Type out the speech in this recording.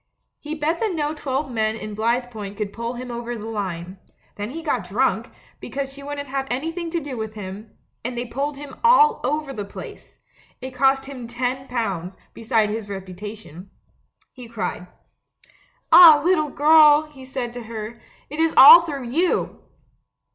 He bet that no twelve men in Blithepoint could pull him over the line. Then he got drunk, because she wouldn't have anything to do with him — and they pulled him all over the place. It cost him ten pounds, besides his reputation. He cried. "Ah, little girl," he said to her, "it is all through you!"